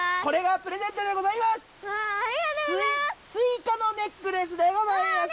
これがプレゼントでございます！